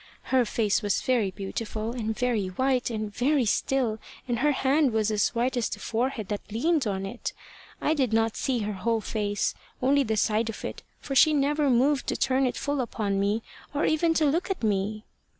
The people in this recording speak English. Her face was very beautiful, and very white, and very still, and her hand was as white as the forehead that leaned on it. I did not see her whole face only the side of it, for she never moved to turn it full upon me, or even to look at me.